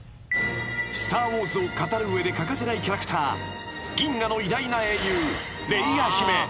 ［『スター・ウォーズ』を語る上で欠かせないキャラクター銀河の偉大な英雄］